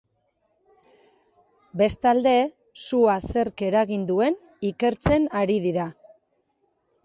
Bestalde, sua zerk eragin duen ikertzen ari dira.